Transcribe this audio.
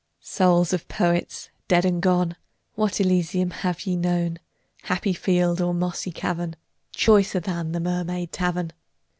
Souls of Poets dead and gone, What Elysium have ye known, Happy field or mossy cavern, Choicer than the Mermaid Tavern?